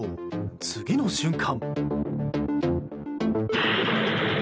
次の瞬間。